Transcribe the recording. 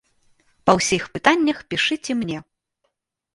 Па ўсіх пытаннях пішыце мне!